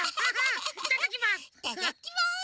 いただきます！